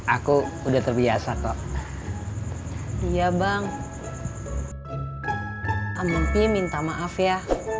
aku udah terbiasa kok iya bang ampuni minta maaf ya